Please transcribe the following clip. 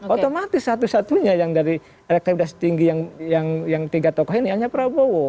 otomatis satu satunya yang dari elektabilitas tinggi yang tiga tokoh ini hanya prabowo